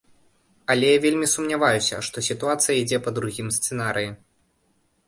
Але я вельмі сумняваюся, што сітуацыя ідзе па другім сцэнарыі.